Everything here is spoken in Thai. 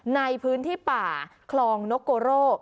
ในพื้นที่ป่าคลองนกโกโร่